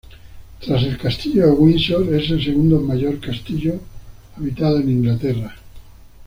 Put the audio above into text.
Tras el Castillo de Windsor, es el segundo mayor castillo habitado de Inglaterra.